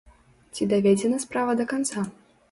Ці даведзена справа да канца?